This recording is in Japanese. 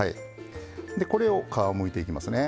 これを皮むいていきますね。